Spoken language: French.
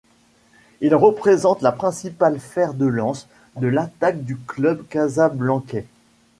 Il représente la principale fer de lance de l'attaque du club casablancais.